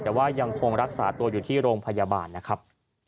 แต่ว่ายังคงรักษาตัวอยู่ที่โรงพยาบาลนะครับ